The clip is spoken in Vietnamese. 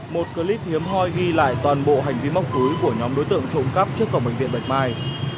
một clip hiếm hoi ghi lại toàn bộ hành vi móc túi của nhóm đối tượng trộm cắp trước cổng bệnh viện bạch mai